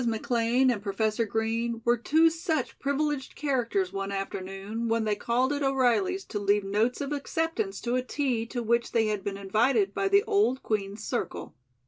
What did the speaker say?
McLean and Professor Green were two such privileged characters one afternoon when they called at O'Reilly's to leave notes of acceptance to a tea to which they had been invited by the old Queen's circle.